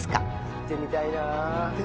行ってみたいな。